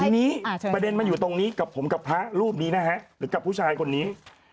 ทีนี้ประเด็นมันอยู่ตรงนี้กับผมกับพระรูปนี้นะฮะหรือกับผู้ชายคนนี้